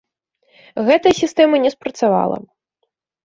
Гэтая сістэма не спрацавала.